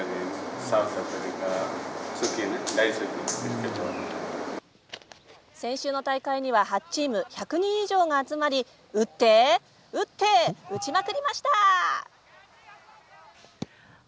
インドカレー屋のシェフも先週の大会には８チーム１００人以上が集まり打って打って打ちまくりました。